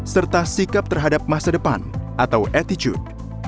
serta sikap terhadap masa depan atau attitude